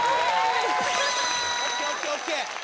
ＯＫ・ＯＫＯＫ